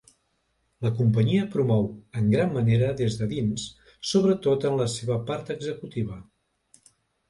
La companyia promou en gran manera des de dins, sobretot en la seva part executiva.